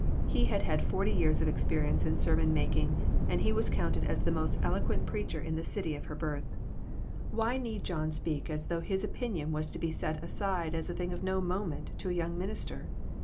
He had had forty years of experience in sermon making, and he was counted as the most eloquent preacher in the city of her birth. Why need John speak as though his opinion A SMOKY ATMOSPHERE. 7/ was to be set aside as a thing of no moment to a young minister